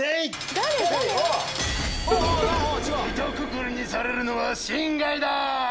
ひとくくりにされるのは心外だ！